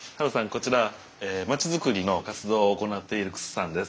こちら町づくりの活動を行っている楠さんです。